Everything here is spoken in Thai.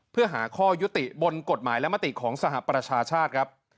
เพื่อหาข้อยุติบนกฎหมายและมติของสหประชาชาติครับ